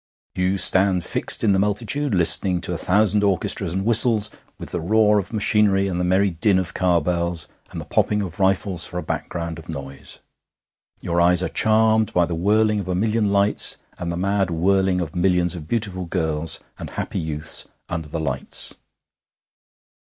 You stand fixed in the multitude listening to a thousand orchestras and whistles, with the roar of machinery and the merry din of car bells, and the popping of rifles for a background of noise. Your eyes are charmed by the whirling of a million lights and the mad whirling of millions of beautiful girls and happy youths under the lights.